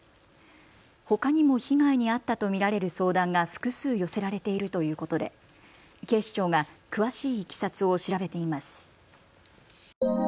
ほかにも被害に遭ったと見られる相談が複数寄せられているということで警視庁が詳しいいきさつを調べています。